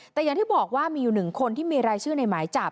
แต่อย่างที่บอกว่ามีอยู่๑คนที่มีรายชื่อในหมายจับ